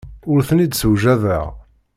Ur ten-id-ssewjadeɣ.